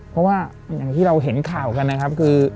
เพราะว่าอย่างที่เราเห็นข่าวกันนะครับคือ